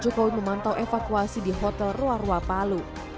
jokowi juga melakukan evakuasi di hotel roa roa palu